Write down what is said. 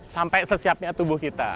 sampai sesiapnya tubuh kita